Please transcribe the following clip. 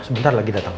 sebentar lagi datang